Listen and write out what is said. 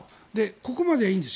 ここまではいいんです。